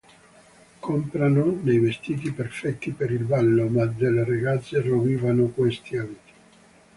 Comprano dei vestiti perfetti per il ballo, ma delle ragazze rovinano questi abiti.